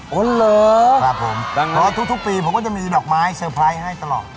เหรอครับผมเพราะทุกปีผมก็จะมีดอกไม้เซอร์ไพรส์ให้ตลอด